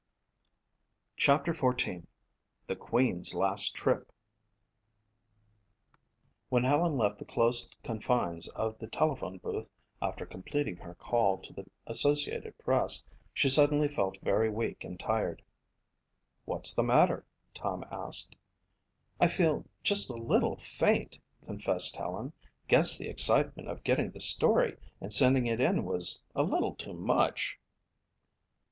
CHAPTER XIV The Queen's Last Trip When Helen left the close confines of the telephone booth after completing her call to the Associated Press she suddenly felt very weak and tired. "What's the matter?" Tom asked. "I feel just a little faint," confessed Helen. "Guess the excitement of getting the story and sending it in was a little too much."